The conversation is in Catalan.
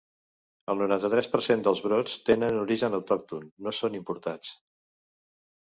El noranta-tres per cent dels brots tenen origen autòcton, no són importats.